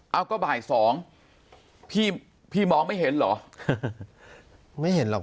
เอ้าก็บ่ายสองพี่มองไม่เห็นเหรอ